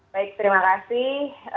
baik terima kasih